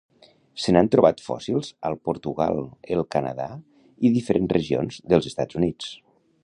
Se n'han trobat fòssils al Portugal, el Canadà i diferents regions dels Estats Units.